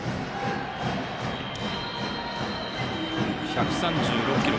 １３６キロ。